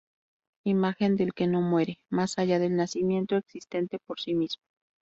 Imagen del que no muere, más allá del nacimiento, existente por sí mismo.